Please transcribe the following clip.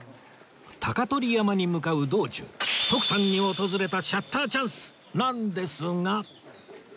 鷹取山に向かう道中徳さんに訪れたシャッターチャンスなんですが